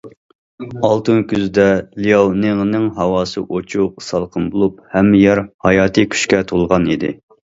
ئالتۇن كۈزدە، لياۋنىڭنىڭ ھاۋاسى ئوچۇق، سالقىن بولۇپ، ھەممە يەر ھاياتىي كۈچكە تولغانىدى.